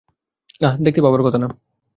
না, দেখতে পাবার কথা না।